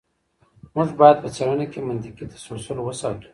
موږ باید په څېړنه کې منطقي تسلسل وساتو.